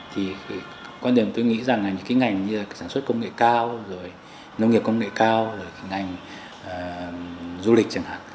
thì quan điểm tôi nghĩ rằng là những cái ngành như là sản xuất công nghệ cao rồi nông nghiệp công nghệ cao rồi ngành du lịch chẳng hạn